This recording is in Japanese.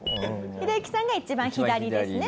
ヒデユキさんが一番左ですね。